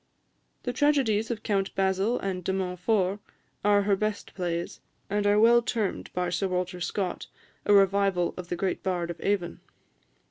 The tragedies of "Count Basil" and "De Montfort" are her best plays, and are well termed by Sir Walter Scott a revival of the great Bard of Avon.